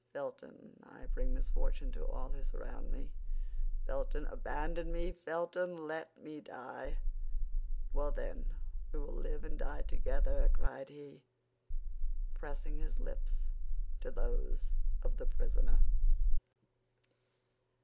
"Felton, I bring misfortune to all who surround me! Felton, abandon me! Felton, let me die!" "Well, then, we will live and die together!" cried he, pressing his lips to those of the prisoner.